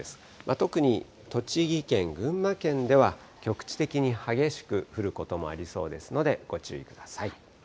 特に栃木県、群馬県では、局地的に激しく降ることもありそうですので、ご注意ください。